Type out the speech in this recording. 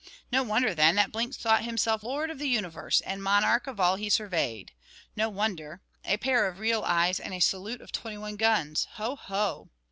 ] No wonder then, that Blinks thought himself lord of the universe and monarch of all he surveyed; no wonder a pair of real eyes and a salute of twenty one guns. Ho! ho!